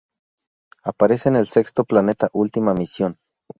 Aparece en el sexto planeta, última misión.